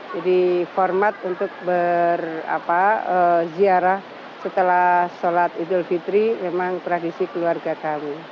jadi format untuk berziarah setelah sholat eid al fitri memang tradisi keluarga kami